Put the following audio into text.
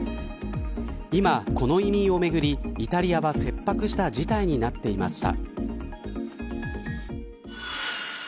今この移民をめぐりイタリアは切迫した事態になっていました。